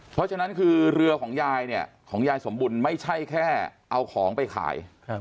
เพราะฉะนั้นคือเรือของยายเนี่ยของยายสมบุญไม่ใช่แค่เอาของไปขาย